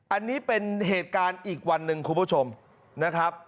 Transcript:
อันนี้เป็นเหตุการณ์อีกวันหนึ่งคุณผู้ชมนะครับ